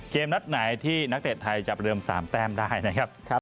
นัดไหนที่นักเตะไทยจับลืม๓แต้มได้นะครับ